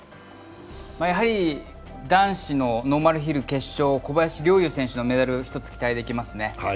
男子のノーマルヒル決勝、小林陵侑選手のメダル、一つ期待できますね。